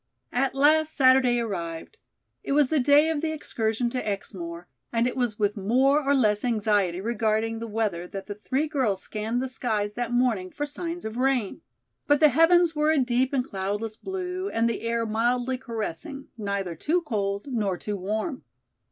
At last Saturday arrived. It was the day of the excursion to Exmoor, and it was with more or less anxiety regarding the weather that the three girls scanned the skies that morning for signs of rain. But the heavens were a deep and cloudless blue and the air mildly caressing, neither too cold nor too warm.